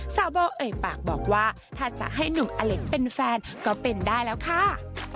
สาวโบเอ่ยปากบอกว่าถ้าจะให้หนุ่มอเล็กเป็นแฟนก็เป็นได้แล้วค่ะ